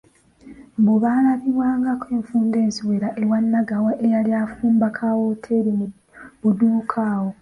Mbu baalabibwangako enfunda eziwera ewa Nagawa eyali afumba ka wooteri mu buduuka awo.